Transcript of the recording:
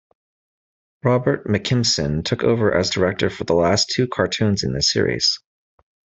Robert McKimson took over as director for the last two cartoons in this series.